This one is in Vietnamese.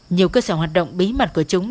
nhiều cơ sở hoạt động bí mật của chúng